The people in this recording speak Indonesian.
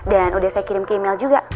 dan udah saya kirim ke email juga